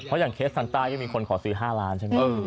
เพราะอย่างเคสทันต้ายก็มีคนขอซื้อห้าล้านใช่ไหมอืม